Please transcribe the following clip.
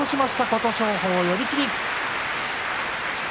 琴勝峰寄り切り。